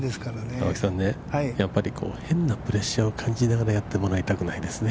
◆青木さんね、やっぱり変なプレッシャーを感じながらやってもらいたくないですね。